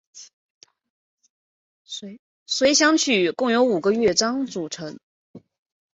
随想曲共有五个乐章组成。